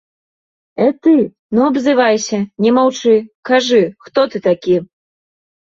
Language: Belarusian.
Э ты, ну абзывайся, не маўчы, кажы, хто ты такі?!